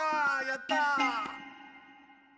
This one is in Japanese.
やった！